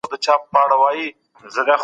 نړيوالي غونډې د نظرونو د تبادلي فرصت برابروي.